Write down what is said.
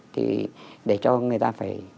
thì để cho người ta phải